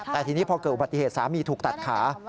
แต่ทีนี้พอเกิดอุบัติเหตุสามีถูกตัดขา